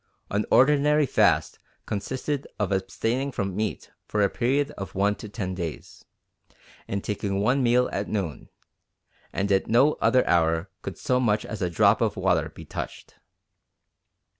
An ordinary fast consisted of abstaining from meat for a period of one to ten days, and taking one meal at noon; and at no other hour could so much as a drop of water be touched."